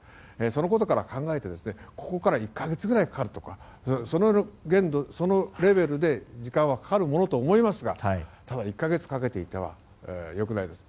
そのことから考えてここから１か月ぐらいかかるとかそのレベルで時間はかかるものと思いますがただ、１か月かけていては良くないです。